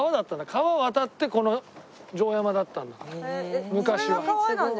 川渡ってこの城山だったんだ昔は。